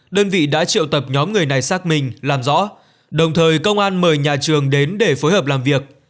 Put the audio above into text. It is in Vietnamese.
đơn vị đã triệu tập nhóm người này xác minh làm rõ đồng thời công an mời nhà trường đến để phối hợp làm việc